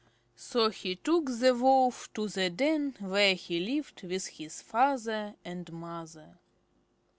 So he took the Wolf to the den where he lived with his father and mother.